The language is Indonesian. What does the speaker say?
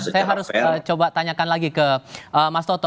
saya harus coba tanyakan lagi ke mas toto